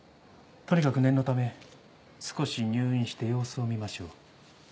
とにかく念のため少し入院して様子を見ましょう。